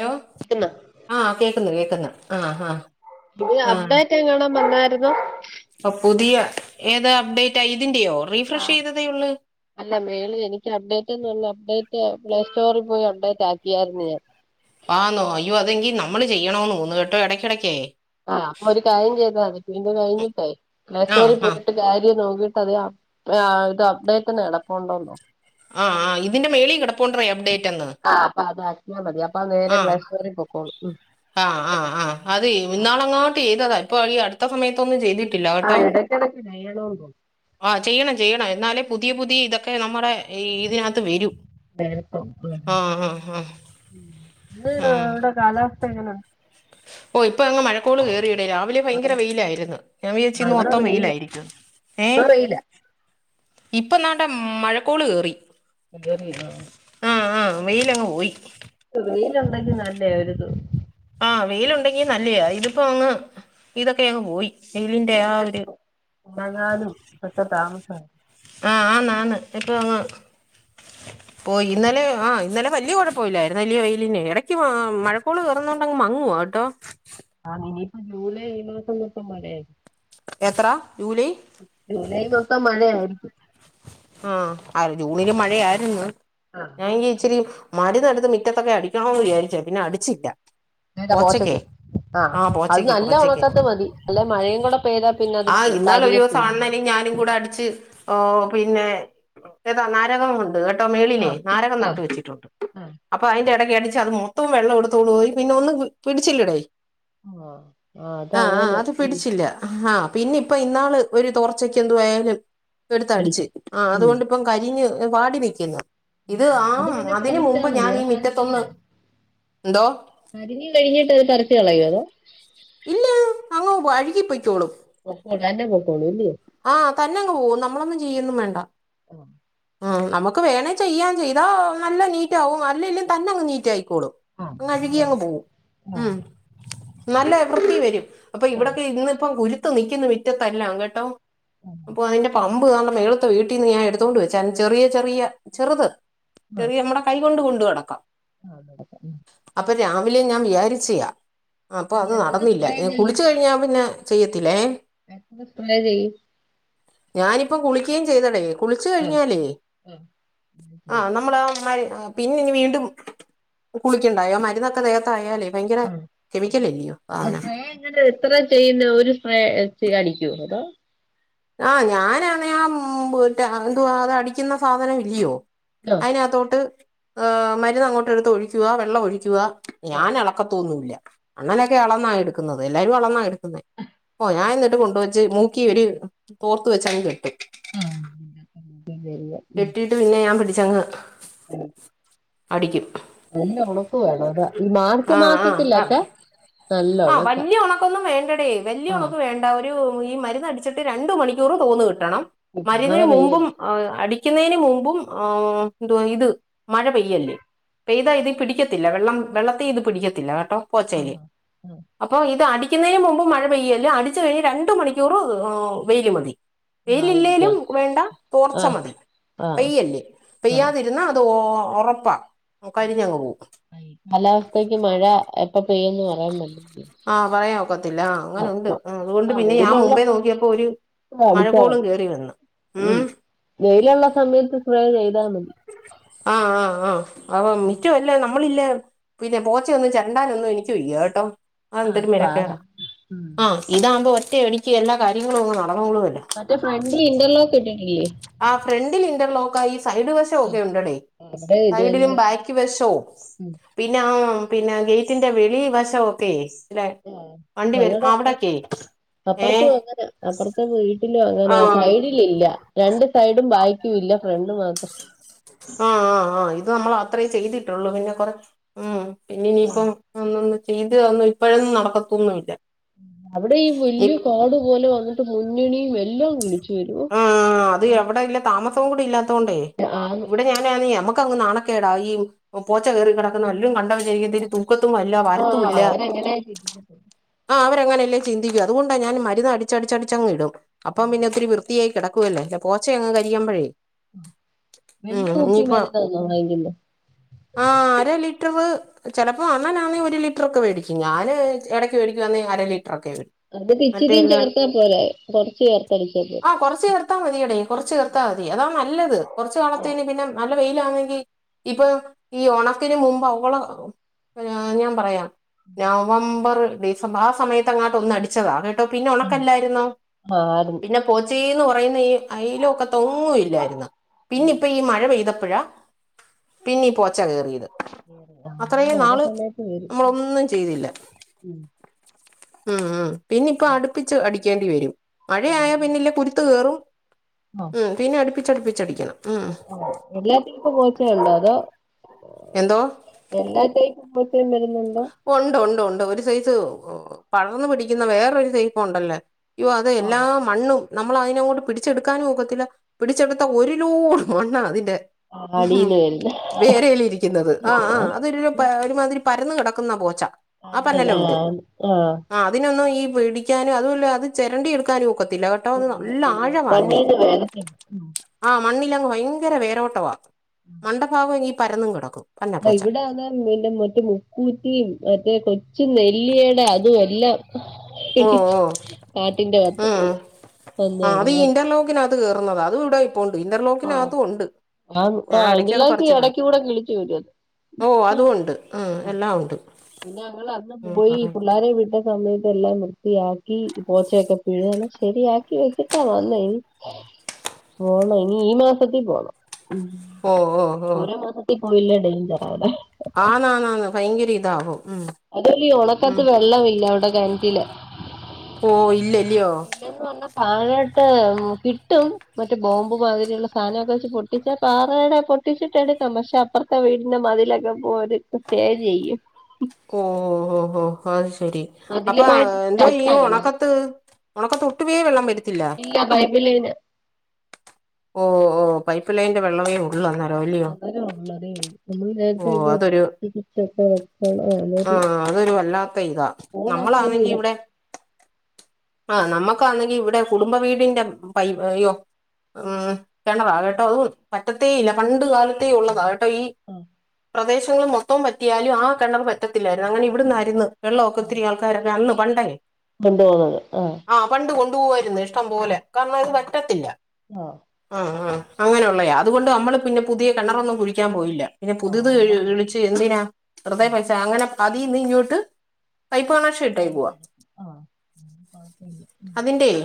Hello പിന്നെ ആഹ് കേൾക്കുന്ന് കേൾക്കുന്ന് പുതിയ അപ്ഡേറ്റ് എങ്ങാണം വന്നാരുന്നോ ഓഹ് പുതിയ ഏത് അപ്ഡേറ്റാ ഇതിന്റെയോ റീഫ്രഷ് ആഹ് ചെയ് ത തേയുള്ള്. അല്ല മേളില് എനിക്ക് അപ്ഡേറ്റ്ന്ന്ള്ള അപ്ഡേറ്റ് പ്ലേ സ്റ്റോറിൽ പോയി അപ്ഡേറ്റ് ആക്കിയായിരുന്നു ഞാൻ. ആന്നോ അയ്യോ അതെങ്കി നമ്മള് ചെയ്യണന്ന് തോന്നണ് കേട്ടോ എടക്കിടക്കേ. ആഹ് അപ്പൊ ഒരു കാര്യം ചെയ്താ മതി ഇത് കഴിഞ്ഞിട്ടേ ആ പ്ലേസ്റ്റോറിൽ ആ പോയിട്ട് കാര്യം നോക്കിട്ടത് ഇത് അപ്ഡേറ്റ്ന്ന് കെടപ്പുണ്ടന്നോ ആഹ് ആഹ് ഇതിന്റെ മേളി കെടപ്പുഡ്രേ അപ്ഡേറ്റ് എന്ന് ആ അപ്പ അതാക്കിയാമതി അപ്പത് നേരെ പ്ലേസ്റ്റോറിൽ പൊക്കോളും ഉം ആഹ് ആ ആഹ് അത് ഇന്നാളങ്ങാട്ട് ചെയ്തതാ ഇപ്പൊ ഈ അടുത്ത സമയത്തൊന്നും ചെയ്തി ആഹ് ഇടയ്ക്കിടയ്ക്ക് ചെയ്യണോ എന്തോ ആഹ് ചെയ്യണം ചെയ്യണം എന്നാലേ പുതിയ പുതിയ ഇതൊക്കെ നമ്മടെ ഇതിനകത്ത് വരൂ. നേരത്തെ ആഹ് ആഹ് ആഹ് ഉം ഇന്നിവിടെ ഇവിടെ കാലാവസ്ഥ എങ്ങനെ ഓ ഇപ്പങ്ങ് മഴക്കോള് കേറിയെടേ രാവിലെ ഭയങ്കര വെയിലായിരുന്ന് ഞാൻ വിചാരിച്ച് ആഹ് ഇന്ന് ഇവിടെ മൊത്തം വെയില് വെയിലായിരിക്കുന്ന് ഏ ഇപ്പൊ വെയിലാ ഇപ്പംനാണ്ടെ മഴക്കോള് കേറി [unintelligible] ആ ആ ആ വെയിലങ്ങ് പോയി വെയില് ഉണ്ടെങ്കി നല്ല ആയിരുന്നു ആ വെയില് ഉണ്ടെങ്കി നല്ലയാ ഇതിപ്പോ അങ്ങ് ഇതൊക്കെ അങ്ങ് പോയി വെയിലിന്റെ ആ തുണിയൊക്കെ ഒരു [unintelligible] ഒക്കെ താമസാണ് ആ ആന്നന്ന് ഇപ്പ അങ്ങ് പോയി ഇന്നലെ ആ ഇന്നലെ വലിയ കുഴപ്പ കുഴപ്പല്ലായിരുന്നു വലിയ വെയിലിൻ്റെ ഇടയ്ക്ക് മഴക്കോള് കേറുന്നോണ്ട് അങ്ങ് മങ്ങുവാട്ടോ ആ ഇനിയിപ്പം ജൂലൈ ഈ മാസം മൊത്തം മഴ ആയിരിക്കും എത്ര ജൂലൈ ജൂലൈ മൊത്തം മഴയായിരിക്കും ആഹ് ആ ജൂണില് മഴയായിരുന്നു ആ ഞാനിങ്കെ ഇച്ചരി മരുന്നെടുത്ത് മിറ്റത്തൊക്കെ അടിക്കണോന്ന് വിചാരിച്ചയ പിന്നെ അടിച്ചില്ല [unintelligible] പോച്ചക്കേ പോച്ചക്ക് ആ അത് പോച്ചക്ക് നല്ല പോച്ചക്ക് ഉണക്കത്ത് മതി അല്ലെ മഴയും കൂടെ പെയ്താ പിന്നെ അത് ആ ഇന്നാളൊരു കരിയത്തും ദിവസം അണ്ണനും ഞാനും ഇല്ല കൂടെ അടിച്ച് പിന്നെ ഏതാ നാരകം ഉണ്ട് ഇപ്പം മേളിലെ ആഹ് നാരകം നട്ട് ആഹ് വെച്ചിട്ടുണ്ട് ആഹ് അപ്പൊ അതിന്റെ ഇടയ്ക്ക് എണീച്ച് അത് മൊത്തം വെള്ളം എടുത്തോണ്ട് പോയി പിന്നെ ഒന്നും പിടിച്ചില്ലടേ ആഹ് ആഹ് ആ ആ അതങ്ങനെ അത് ഉം പിടിച്ചില്ല ആ പിന്നെ ഇപ്പം ഇന്നാള് ഒരു തോർച്ചക്ക് എന്തുവായാലും എടുത്തടിച്ച് പഠിച്ചു ആ ഉം അതുകൊണ്ട് ഇപ്പം കരിഞ്ഞ് വാടി വെയ്ക്ക്ന്ന് ഇത് ആ അത് പിന്നെ അതിന് പറിച്ചാ മുമ്പ് മതി ഞാൻ ഈ അത് മിറ്റത്തൊന്ന് എന്തോ അരിഞ്ഞ് കഴിഞ്ഞിട്ട് അത് പറിച്ച് കളയൂവോ അതോ ഇല്ല അങ്ങ് വഴുകി പോയികോളും [unintelligible] തന്നെ പോയ്ക്കോളും അല്ലയൊ ആ തന്നെ അങ്ങ് പോകും നമ്മളൊന്നും ചെയ്യുന്നുവേണ്ട ഓ ഉം നമുക്ക് വേണേ ചെയ്യാം ചെയ്താ നല്ല നീറ്റ് ആവും അല്ലെല്ലും തന്നെങ്ങ് നീറ്റ് ആയിക്കോളും അങ്ങ് അങ്ങനെ അഴുകി അങ്ങ് കുഴപ്പമില്ല പോവും ഉം ആഹ് നല്ല വൃത്തി വരും അപ്പൊ ഇവിടൊക്കെ ഇന്ന് ഇപ്പം കുരുത്ത് നിക്ക്ന്ന് മിറ്റത്തെല്ലാം കേട്ടോ ആഹ് അപ്പൊ അതിന്റെ പമ്പ് ദാണ്ടെ മേളിത്ത വീട്ടീന്ന് ഞാൻ എടുത്തുകൊണ്ട് വെച്ചായിരുന്നു ചെറിയ ചെറിയ ചെറുത് ചെറിയ നമ്മടെ കൈകൊണ്ട് കൊണ്ട് നടക്കാം ആതെ അപ്പ രാവിലെ ഞാൻ വിചാരിച്ചയാ അപ്പ അത് എത്ര നടന്നില്ല സ്പ്രേ കുളിച് കഴിഞ്ഞാ പിന്നെ ചെയ്യത്തില്ലേ ഞങ്ങളും സ്പ്രേ ചെയ്യും ഞാനിപ്പം കുളിക്കേ ചെയ്തടെ കുളിച്ച് ആഹ് കഴിഞ്ഞാലേ ആഹ് ആ നമ്മള് ആ പിന്നെ ഇനി വീണ്ടും കുളിക്കണ്ടായോ ആ മരുന്നൊക്കെ ദേഹത്തായാലേ ഭയങ്കര കെമിക്കലല്ലയോ സാധനം ഇതിൻ്റ ഇത്രയും ചെയ്യുന്ന ഒരു സ്പ്രേ അടിക്കുവോ അതോ ആ ഞാനാണെ ആ എന്തുവാ അത് അടിക്കുന്ന സാധനം ഇല്ലയോ [unintelligible] അതിനകത്തോട്ട് മരുന്ന് അങ്ങോട്ട് എടുത്ത് ഒഴിക്കുവ വെള്ളം ഒഴിക്കുവ ആഹ് ഞാന് എള അളക്കതോന്നുല്ല ആഹ് അങ്ങനൊക്കെ അളന്ന എടുക്കുന്നത് എല്ലാരും അളന്നാ എടുക്കുന്നെ ഓ ഞാൻ എന്നിട്ട് കൊണ്ടുവച്ച് മൂക്കി തോർത്ത് വെച്ച അങ്ങ് കെട്ടും ആഹ വരുവ കെട്ടിയിട്ട് പിന്നെ ഞാൻ പിടിച്ചങ്ങ് ഉം അടിക്കും നല്ല പുളിപ്പ് വേണം അത് ഈ മാർച്ച് ആ ആ മാസത്തിലൊക്കെ നല്ല ആ ഉണക്കാ വലിയ ഉണക്കൊന്നും വേണ്ടടേ വലിയ ആഹ് ഉണക്ക് വേണ്ടാ ഈ മരുന്നടിച്ചിട്ട് രണ്ട മണിക്കൂറും തോന്ന കിട്ടണം മഴ മരുന്നിന് മുമ്പും പെയ്യല്ലേ ആ അടിക്കുന്നതിന് മുമ്പും ആ എന്തുവാ ഇത് മഴ പെയ്യല്ലേ പെയ്താ ഇത് പിടിക്കത്തില്ല വെള്ളം വെള്ളത്തി ഇത് പിടിക്കത്തില്ല കേട്ടോ ആ പോച്ചല് ആ ആ. അപ്പൊ ഇത് അടിക്കുന്നതിന് മുമ്പ് മഴ പെയ്യല്ലേ അടിച്ച കഴിഞ്ഞ് രണ്ടു മണിക്കൂർ വെയിൽ മതി വെയിലല്ലേലും ആയിരിക്കണം വേണ്ട ആഹ് തോർച്ചമതി ആഹ് പെയ്യല്ല ആഹ് പെയ്യാതി എന്നാൽ അത് ഉറപ്പാ കരിഞ്ഞങ്ങ് പോക്കും കാലാവസ്ഥക്ക് മഴ എപ്പ പെയ്യന്ന് പറയാൻ പറ്റ ആഹ് പറയാ ഒക്കത്തില്ല അങ്ങനെുണ്ട് അതുകൊണ്ട് ആഹ് പിന്നെ ഞാൻ വെയിലുള്ള മുമ്പേ നോക്കിയപ്പോൾ സമയത്ത് ഒരു അടിച്ചാ മഴക്കോളും മതി കേറി വന്നു ഉം വെയിലുള്ള സമയത്ത് സ്പ്രൈ ചെയ്താൽ മതി ആഹ ആഹ് ആഹ് അ മിറ്റവും ഇല്ല നമ്മളില്ലേ പിന്നെ പോച്ച ഒന്നും ചെരണ്ടാനൊന്നും എനിക്ക് [unintelligible] കേട്ടോ ആഹ് അതെന്തൊരു അത് പാടാ മനക്കേടാ ഉം ആഹ ഇതാകുമ്പോ ഒറ്റ അടിക്ക് എല്ലാ കാര്യങ്ങളും നടന്നോളൂതല്ലേ. മറ്റേ ഫ്രണ്ട്ലി ഇന്റർലോക്ക് ഇട്ടിട്ടില്ലേ ആ ഫ്രണ്ടിൽ ഇന്റർലോക്ക ആ ഈ സൈഡ് വശം ആ ക്കെ ഉണ്ടടേ അവിടെ ഇത് സൈഡിലും തന്നെ ബാക്ക് വെശോ ഉം പിന്നെ ആ പിന്നെ ഗേറ്റിന്റെ വെളി വശം ഒക്കെ [unintelligible] ആഹ് വണ്ടിവരും ഞങ്ങടെ അവിടെ അവിടക്കെയ ഏഹ അപ്പുറത്തും അങ്ങനെ അപ്പുറത്തെ വീട്ടിലും അങ്ങനെ സൈഡില ഇല്ല രണ്ട് സൈഡും ബായക്കും ഇല്ല ഫ്രണ്ട് മാത്രം ആഹ് ആഹ് ആഹ് ഇത് നമ്മൾ അത്രേ ചെയ്തിട്ടുള്ളൂ പിന്നെ കുറെ ഉം പിന്നെ ഇനിയിപ്പ ഇത് ഇപ്പഴൊന്നും നടക്കത്തൂന്നും ഇല്ല അവിടെ ഈ വലിയ കാടു പോലെ വന്നിട്ട് മുന്നണിയും എല്ലാം വിളിച്ചു വരുവോ ആഹ് ആഹ് ആഹ് അതവിടെല്ല താമസവും കൂടി ഇല്ലാത്ത കൊണ്ടേ ആന്ന് ഇവിടെ [unintelligible] നമുക്ക നാണക്കേടാ ഈ പൂച്ച കയറി കിടക്കുന്ന വല്ല കണ്ട വരിക്ക [unintelligible] മുക്കത്തുല്ല ആഹ് വരത്തുല്ല അവരങ്ങനെ ആഹ അവരങ്ങനല്ലേ ചന്തിക്കു അത് കൊണ്ട് മരുന്ന് അടിച്ചടിച്ചടിച്ച അങ് ഇടും അപ്പം പിന്നെ ഒത്തിരി വൃ [unintelligible] കിടക്കുവല്ലേ ഈ പോച്ചെ അങ് കരിയാുമ്പോഴേ ഉം വല്യ ഉം കുപ്പി ഇനപ്പ മരുന്നാന്നോ [inaudible] ആ അര ലിറ്റർ ചിലപ്പോ അണ്ണൻ ആണെങ്കിൽ നാണെ ഒരു ലിറ്ററൊക്കെേടും ഞാന്ൻ ഇടയ്ക്ക് മേടിക്കുംവാന്നേ അര ലിറ്ററൊക്കെ വേടിക്കും അത് ച്ചിരിയും ചേർത്താ പോരെ കൊറച്ചു ചേർക്ക അ കൊറചേർ നിർത്താൽ മതിയടേ കുറച്ച് ചേർത്തിയാൽ മതി അതാ നല്ലത് കുറച്ചു കാലത്തിന് പിന്നെ നല്ല വെയിലാന്നെങ്കിൽ ഇപ്പൊ ഈ ഉണക്കന് മുമ്പ് അവള നാ ഞാൻ പറയാം നവംബർ ഡിസം ആ സമയത്ത് അങ്ങോട്ട് ഒന്ന് അടിച്ചതാ പിന്നെ ഉണക്കല്ലായിരുന്നോ ആരും പിന്നെ പോച്ചന്ന് പറയുന്ന ഈ അയ ലൊക്കെത്തെ ഒന്നുമില്ലായിരുന്നു പിന്നെ ഇപ്പി ഈ മഴ പെയ്തപ്പയഴ പിന്നി പോച്ച കയറിയത് അത്രയും മഴ നാള് സമയത്ത് വരും നമ്മളൊന്നും ചെയ്തില്ല ഉം ഉം ഉ പിന്നെ ഇപ്പ അടുപ്പിച്ച് അടിക്കേണ്ടി വരും മഴയായപ്പോൾ പിന്നെ കുരുത്ത് കയറും ആഹ് ഉം പിന്നെ അടുപ്പിച്ചടുപ്പിച്ചടിക്കണം ഉം എല്ലാത്തിക്കും പോച്ചേ ഉണ്ടോ അതോ? എന്തോ [unintelligible] [unintelligible] [unintelligible] വരുന്നുണ്ടോ ഉണ്ട് ഉണ്ട് ഉണ്ട് ഒരു സൈസ് പടർന്നു പിടിക്കുന്ന വേറെരു സൈപ്പ് ഉണ്ടല്ലേ അയ്യോ അത് എല്ലാം ആഹ് മണ്ണും നമ്മളയിനങ്ങോട്ട് പിടിച്ചെടുക്കാനും ഒക്കത്തില്ല പിടിച്ചെടുത്ത ഒരു ലോട് മണ്ണാ അതിന്റെ ആഹ് അടീന്ന് [unintelligible] വരുന്ന ഇരിക്കുന്നത് ആ ആ അതൊരു ഒരു മാതിരി പരന്ന് കടക്കുന്ന പോച്ച ആ അതെ പന്നലുണ്ട് ആഹ് ആഹ് ആ അതിനൊന്നും ഈ പിടിക്കാനും അതുമല്ല അത് ചെരണ്ടി എടുക്കാനും ഒക്കത്തില്ല കേട്ടോ അത് ഇല്ല നല്ല ഇല്ല ആഴവാ അതിന് കണ്ണീന്ന് വേതന ആ മണ്ണിലങ്ങ് ഭയങ്കര വേരോട്ടവാ മണ്ട ഭാഗം ഈ പരന്നും കെടക്കും. ആ ഇവിടെന്നേൽ പിന്നെ മറ്റേ മുക്കൂറ്റീം മറ്റേ കൊച്ചു നെല്ലീടെ അതും എല്ലാം ഓ ഹ്ഹ് ഓ കാട്ടിന്റെ വക്ക് ഉം [unintelligible] [unintelligible] കേറുന്നത അതുകൂടെ പ്പൊണ്ട് ആഹ് ഇന്റർലോക്കിനകത്തും ഒണ്ട് ആഹ് ഞാൻ ആഹ് എടക്കൊക്കെ ഇതിലേക്ക് പറിച്ച്കളയും എടയ്ക്ക് കൂടെ കിളിച്ചു വരും അത് ഓ അതുഒണ്ട് ഹ് ആ എല്ലാഒണ്ട് പിന്നെ ഞങ്ങളന്ന് പോയി പിള്ളേരെ വി സമയത്ത് എല്ലാം വൃത്തിയാക്കി പോച്ചയൊക്കെ [unintelligible] ശരിയാക്കി വെചിട്ടാ വന്നെ പോണം ഇനി ഈ മാസത്തിൽ പോണം ഉം ഓ ഓ ഓ ഓരോ മാസത്തി പോയില്ലേ ഡെയ്ഞ്ചറാ ലെ ആന്നാന്നാന്ന് ഭയങ്കര ഇതവും അതല്ല്യയൊഒണക്കത്ത് വെള്ളവില്ല അവടെ കൺറ്റില് ഓ ഇല്ലല്ലയോ [inaudible] എന്നുഒന്ന് താഴോട്ട് മ് കിട്ടും മറ്റേ ബോംബ് മാതിരി ഉള്ള സാനൊക്കെ വെച്ച്ട്ട് [unintelligible] പിന്നെ പാറയുടെ പൊട്ടിച്ചിട്ടെടുക്കാം പക്ഷെ അപ്പുറത്തെ വീടിന്റെ മതിലൊക്കെ പോരുക്കെ സ്റ്റേ ചെയ്യും ഓ ഓ ഓ ഓഹ് അത് ശെരി അപ്പാ മതിലുമായിട്ട് എന്തോ ഈ ടച്ചാകണം ഉണക്കത്ത് നാപ്പത്തൊട്ടുവേ വെള്ളം വര ഇല്ല പൈപില് ന്റ് ഓ ഓ പൈപ്പ് ലൈന്റെ വെള്ളമേ ഉ [unintelligible] [unintelligible] [unintelligible] നമ്മള് നേരത്തെക്കെ അതൊരു തിരിച്ചൊക്കെ വെച്ച [unintelligible] നമ്മളാന്നെങ്കി ഇവിടെ ആ നമ്മുക്കാന്നെങ്കി ഇവിടെ കുടുംബ വീടിന്റെ പൈ അയ്യോ ഹ്മ്മ് കിണറാ കേട്ടോ അതും പറ്റത്തേ ഇല്ല പണ്ട് കാലത്തേ ഉള്ളതാ പ്പഈ ആ പ്രദേശങ്ങൾ മൊത്തം വറ്റിയാലും ആ കിണറ് [unintelligible] പറ്റ ത്തിലായിരുന്നു അങ്ങനെ ഇവിടുന്നായിരുന്നു വെള്ളൊ ക്കൊ ആ ത്തിരി ആൾക്കാരൊക്കെ അന്ന് പണ്ടെ കൊണ്ടുപോകുന്നത് ആ ആ പണ്ട് കൊണ്ടുപോവായിരുന്ന് ഇഷ്ടം പോലെ കാരണം ഇത് വെട്ടത്തില്ല ആ ആ ആഹ അങ്ങനെയൊള്ളയാ അതുകൊണ്ട് അമ്മള് പിന്നെ പുതിയ കിണറൊന്നും കുഴിക്കാൻപോയില്ല പിന്നെ ആ വെള്ളം പുദ്ത്ഴ്‌ഴിച്ച് എന്തിനാ വെറുതെ ഉം പൈസ അങ്ങനെ അതീന്നിങ്ങോട്ട് പൈപ്പ് കണക്ഷൻ പൈപ്പ ഇട്ടേക്കുവാ എടുക്കും ആ കൊഴപ്പില്ല അതിന്റെയ്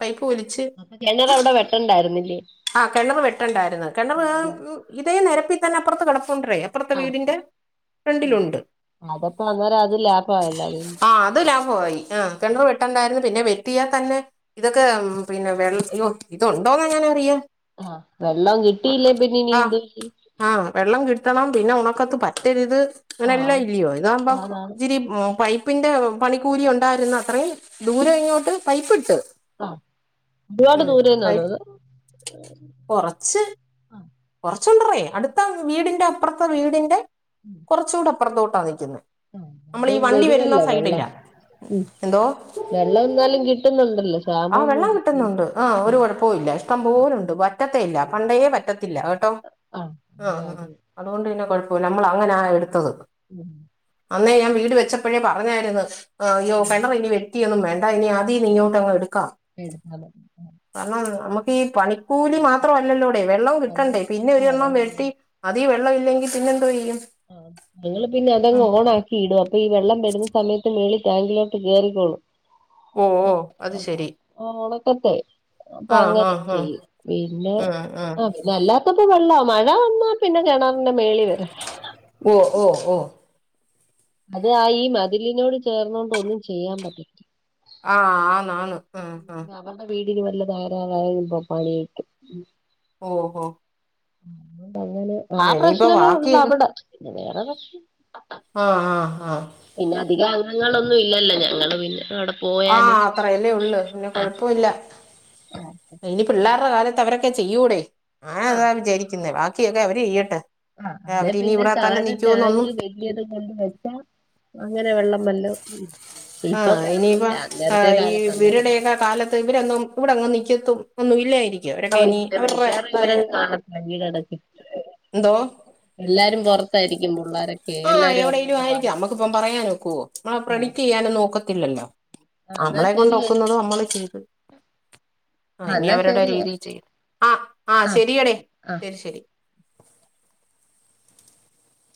പൈപ്പ് ഒലിച്ച് കിണറ് അവിടെ വെട്ടണ്ടായിരുന്നില്ലേ ആ കെണറ് വെട്ടണ്ടാര്ന്ന്. കെണറ് ഹ് ആഹ് ഉ ഇതേനെരപ്പിതന്നപ്രത്ത് കെടപ്പുൻഡ്രേ അപ്പറത്തെ ആഹ് വീടിന്റെ- ഫ്രണ്ടിലുണ്ട് അതപ്പോ അന്നേരം അത് ലാഭമായല്ല അത് ആ അത് ലാഭമായി ആ കിണർ വെട്ടണ്ടായിരുന്നു പിന്നെ വെട്ടിയാൽ തന്നെ ഇതൊക്കെ പിന്നെ വെൾ യ്യോ ഇതൊണ്ടോന്ന് എങ്ങനെന്തിയ്യും ആവെള്ളം കിട്ടിയില്ലേൽ പിന്നെ ഇനി എന്തൊ ചെയ്യും ആഹ് വെള്ളം കിട്ടണം പിന്നെ ഉണക്കത്ത് പറ്റരുത്. ങ്ങനെല്ലൊ ആഹ് ഇല്ലിയോ ഇതാവുമ്പം അതാണ് ച്ചിരി മോ പൈ. പ്പിന്റെ പണിക്കൂലി ഉണ്ടായിരുന്ന അത്രേ ദൂര ഇങ്ങോട്ട് പൈപ്പിട്ട്. ആഹ് രുപാട് ദൂരെന്നാ അതത്. കൊറച്ച് കൊറച്ചുണ്ടറെ അടുത്ത വീടിന്റെ അപ്പർത്തെ വീടിന്റെ. ഉം. കാർച്ചുട അപ്പർത്തോട്ടാ നിക്കുന്ന മ്മളീ വണ്ടി വരുന്ന വരുവല്ലോ വെള്ളം സൈഡിലാ ഉം എന്തോ? വെള്ളം എന്നാലും കിട്ടുന്നുണ്ടല്ലോ ആഹ് വെള്ളം ക്ഷാമൊന്നുമില്ല ഉം കിട്ടുന്നുണ്ട് ആഹ് ഒരു ഉം കൊഴപ്പോല്ല ഇഷ്ടം. പോലുണ്ട് വറ്റത്തേയില്ല പണ്ടേ വറ്റത്തില്ല കേട്ടോ അത് ആഹ് ആഹ്. കാര്യം അതുകൊണ്ട് പിന്നെ കൊഴ്പ്പുല്ല മ്മൾ അങ്ങനാ എടുത്തത്. ഉം. അന്നേ ഞാ വീട് വെച്ചപ്പഴേ പറഞ്ഞായിര്ന്നു ആ അയ്യോ ആഹ് കണറിനി വെ ത്തിയൊന്നും വേണ്ട ഇനി അതീന്ന് ഇങ്ങോട്ട് അങ്ങ് എടുക്കാ. [unintelligible] അതെ. കാരണം നമക്കീ പണിക്കൂലി മാത്രവല്ലല്ലോടെ വെള്ളവും അല്ല കിട്ടണ്ടേ പിന്നെ ആഹ് ഒരെണ്ണം വേണം വേണം വെട്ടി. അതീ വെള്ളവില്ലെങ്കിൽ പിന്നെന്തോ യെയ്യും? ആഹ്. ഞങ്ങൾ പിന്നെ അതങ്ങ് ഓൺ ആക്കി ഇടു അപ്പൊ ഈ വെള്ളം വരുന്ന സമയത്ത് മേളി ടാങ്കിലോട്ട് കേറിക്കോളും ഓഓ അത് ശരി. ആഹ് ഒണക്കത്തെ പ്പൊ ആഹ് അങ്ങനെ ആഹ് ആഹ് ചെയ്യും പിന്നെ ആഹ് ആഹ് ആ പിന്നല്ലാ. ത്തപ്പ വെള്ളാ മഴ വന്നാ പിന്നെ കെണർന്റെ മേളി വരെ. ഓഹ് ഓഹ് ഓഹ്. അത് ആ ഈ മതിലിനോട് ചേർന്നൊണ്ടൊന്നും ചെയ്യാൻ പറ്റത്തി ആഹ് ആന്ന് ആന്ന്. ആഹ് ആഹ് അവർടെ വീടിന് വല്ല തകരാറായൽ ഇപ്പം പണി കിട്ടും. ഓഹോ പങ്ങനെ ആ ആഹ് ഇനിയിപ്പ പ്രശ്നങ്ങള് ബാക്കിയൊക്കെ ള്ളഅവടെ പിന്നെ വേറെ പ്രശ്നം ആഹ ആഹ് ആഹ്. പിന്ന അധിക അംഗങ്ങളൊന്നും ഇല്ലല്ലോ ഞങ്ങള് പിന്നെ നട. ആഹ് അത്രയല്ലേ ഒള്ളു പിന്നെ കൊഴപ്പമില്ല ഇനി പിള്ളേര്ടെ കാലത്ത് അവരെ- ക്കെ ചെയ്യൂടെ ആ ആഹ് അതാ പിൻചെലിക്യുന്നേ ബാക്കിയൊക്കെ അവര്യ്യട്ടെ ആ അല്ലെ പിന്നെ താഴെ ടാങ്ക് വെ- യേത് കൊണ്ട് വെച്ചാ അങ്ങനെ വെള്ളം വല്ലോ- ആഹ് ഇനിയിപ്പ അ ഈ കാലത്ത് അന്നേരം വരുടെയൊക്കെ കാലത്ത് ഇവരൊന്നും ഇവിടെങ്ങും നിക്കത്തും. ഒന്നു ഇല്ലായിരിക്കും ഓ അവരൊക്കെ ഇനി ഇല്ല അവര്ടെ മിക്കവാറും തായ ഇവരങ്ങ് കാണത്തില്ല വീടടച്ച് ന്തോ? എല്ലാരും പൊർത്തായിരിക്കും പുള്ളാരൊ- ആഹ് എവ്ടെലും ആയ്രിക്കാം അമ്മക്ക്പ്പോ പറയാനൊക്കുവോ മ്മളെ ആ പ്രെഡിക്റ്റിയ്യാന്നു നോക്കത്തില്ലല്ലോ ആ എന്നാ ആമ്മളെ കൊണ്ട് ശരി ചേച്ചി ഒക്കുന്നതും അമ്മള് ചെയ്ത്. ആ ആഹ് ഇനി എന്നാ അവരുടെ ശരിയേ രീതിയി ചെയ്യും ആഹ് ആ ശരിയടേ ആ ശരി ശരി.